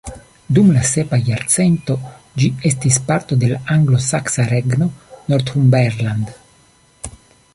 Dum la sepa jarcento, ĝi estis parto de la anglo-saksa regno Northumberland.